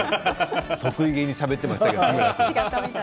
得意気にしゃべってましたけど。